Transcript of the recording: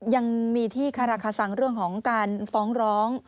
ยังมีที่คาราคาสังเรื่องของการฟ้องร้อง